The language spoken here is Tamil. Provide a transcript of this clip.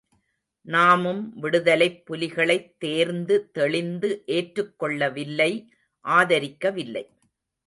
நாமும் விடுதலைப் புலிகளைத் தேர்ந்து தெளிந்து ஏற்றுக் கொள்ளவில்லை ஆதரிக்கவில்லை.